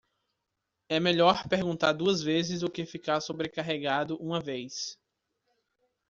É melhor perguntar duas vezes do que ficar sobrecarregado uma vez.